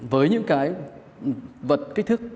với những cái vật kích thước